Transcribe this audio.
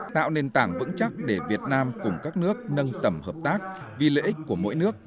tạo nền tảng vững chắc để việt nam cùng các nước nâng tầm hợp tác vì lợi ích của mỗi nước